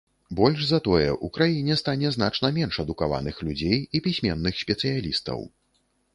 Больш за тое, у краіне стане значна менш адукаваных людзей і пісьменных спецыялістаў.